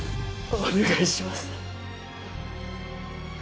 お願いします